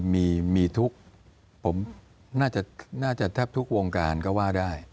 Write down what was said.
มีมีทุกผมน่าจะน่าจะแทบทุกวงการก็ว่าได้